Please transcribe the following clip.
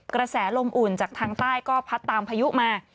กระแสลมอุ่นจากทางใต้ก็พัดตามพายุมา